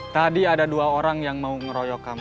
tadi ada dua orang yang mau ngeroyok kamu